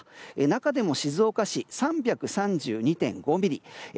中でも静岡市は３３２．５ミリ。